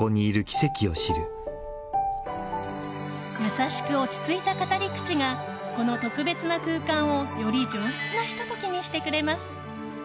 優しく落ち着いた語り口がこの特別な空間をより上質なひと時にしてくれます。